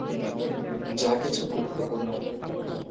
যা কিছু গুরুত্বপূর্ণ।